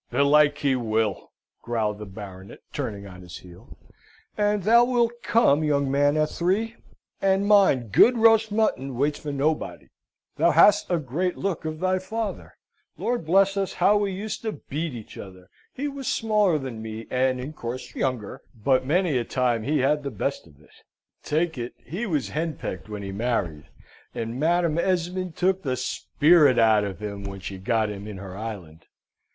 "Belike, he will," growled the Baronet, turning on his heel. "And thou wilt come, young man, at three; and mind, good roast mutton waits for nobody. Thou hast a great look of thy father. Lord bless us, how we used to beat each other! He was smaller than me, and in course younger; but many a time he had the best of it. Take it he was henpecked when he married, and Madam Esmond took the spirit out of him when she got him in her island.